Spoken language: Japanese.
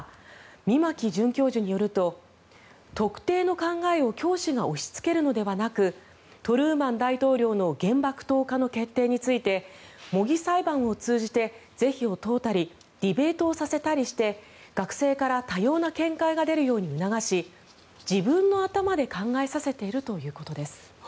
三牧准教授によると特定の考えを教師が押しつけるのではなくトルーマン大統領の原爆投下の決定について模擬裁判を通じて是非を問うたりディベートをさせたりして学生から多様な見解が出るように促し自分の頭で考えさせているということです。